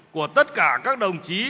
của tất cả các đồng chí